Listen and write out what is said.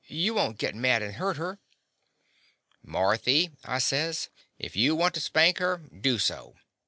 You won't git mad and hurt her ?" "Marthy," I says, "if you want to spank her, do so.